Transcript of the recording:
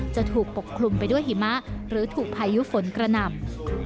จะถูกปกคลุมไปด้วยหิมะหรือถูกพายุฝนกระหน่ำ